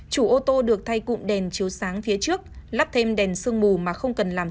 hai nghìn một mươi bốn chủ ô tô được thay cụm đèn chiếu sáng phía trước lắp thêm đèn sương mù mà không cần làm